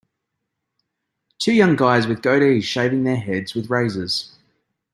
Two young guys with goatees shaving their heads with razors.